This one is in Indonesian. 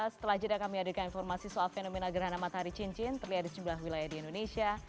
setelah jeda kami hadirkan informasi soal fenomena gerhana matahari cincin terlihat di sejumlah wilayah di indonesia